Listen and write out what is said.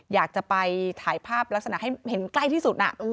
อยากจะไปถ่ายภาพลักษณะให้เห็นใกล้ที่สุด